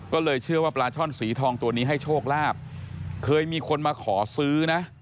ก็เลยเชื่อว่าปลาช่อนสีทองตัวนี้ให้โชคลาภเคยมีคนมาขอซื้อนะ